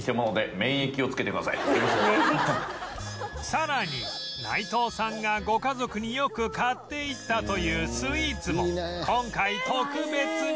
さらに内藤さんがご家族によく買っていったというスイーツも今回特別に